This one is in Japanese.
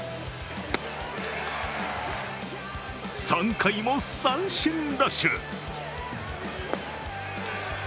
３回も三振ラッシュ。